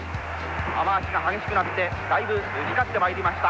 雨足が激しくなってだいぶぬかずってまいりました